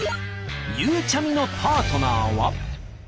ゆうちゃみのパートナーは？